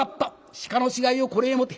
鹿の死骸をこれへ持て。